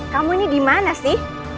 kamu ini dimana sih